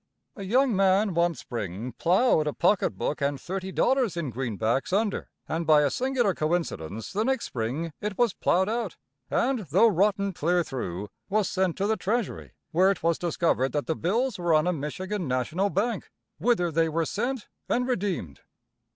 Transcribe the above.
A young man, one spring, plowed a pocket book and $30 in greenbacks under, and by a singular coincidence the next spring it was plowed out, and, though rotten clear through, was sent to the Treasury, where it was discovered that the bills were on a Michigan National Bank, whither they were sent and redeemed.